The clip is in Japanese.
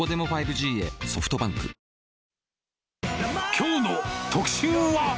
きょうの特集は。